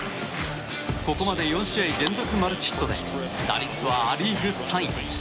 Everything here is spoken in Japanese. ここまで４試合連続マルチヒットで打率はア・リーグ３位。